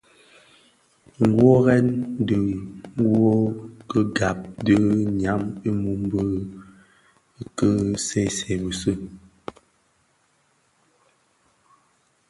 Wuoren dhi wuō kè gab dhi “nyam imum” bi ki see see bisi,